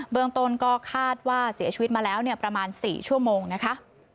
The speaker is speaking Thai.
เมืองต้นก็คาดว่าเสียชีวิตมาแล้วประมาณ๔ชั่วโมงนะคะ